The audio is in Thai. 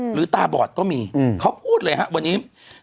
หรือตาบอดก็มีเขาพูดเลยฮะวันนี้